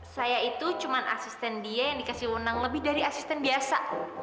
saya itu cuma asisten dia yang dikasih wenang lebih dari asisten biasa